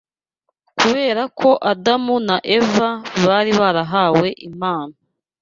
Kubera ko Adamu na Eva bari barahawe impano